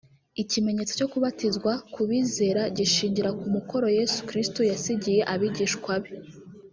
Ikimenyetso cyo kubatizwa ku bizera gishingira ku mukoro Yesu Kirisitu yasigiye abigishwa be